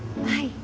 はい。